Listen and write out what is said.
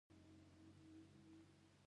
دا هغه وخت دی چې تولیدونکي توکي بازار ته یوسي